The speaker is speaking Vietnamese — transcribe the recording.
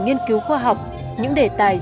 nghiên cứu khoa học những đề tài